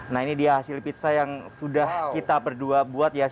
nah ini dia hasil pizza yang sudah kita berdua buat ya